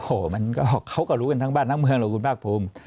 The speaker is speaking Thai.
โอ้โหมันก็เขาก็รู้กันทั้งบ้านทั้งเมืองหรอกคุณภาคภูมิ